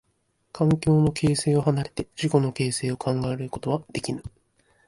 環境の形成を離れて自己の形成を考えることはできぬ。